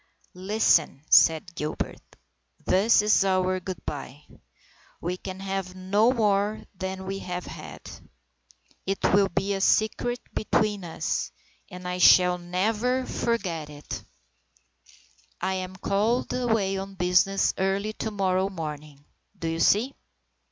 " Listen," said Gilbert. " This is our good bye. We can have no more than we have had. It will be a secret between us, and I shall never forget SAINT MARTIN'S SUMMER 161 it. I am called away on business early to morrow morning. Do you see